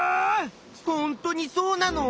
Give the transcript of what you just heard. ほんとにそうなの？